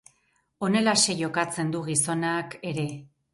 Honelaxe jokatzen du gizonak ere.